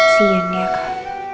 sian ya kak